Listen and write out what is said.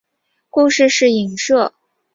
故事是隐射连雅堂与王香禅。